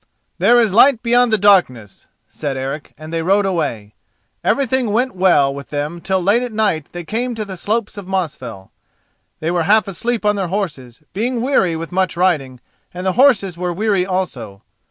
"There is light beyond the darkness," said Eric, and they rode away. Everything went well with them till late at night they came to the slopes of Mosfell. They were half asleep on their horses, being weary with much riding, and the horses were weary also.